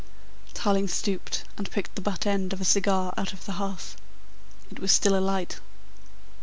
Tarling stooped and picked the butt end of a cigar out of the hearth. It was still alight.